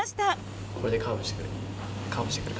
これでカーブしてくる。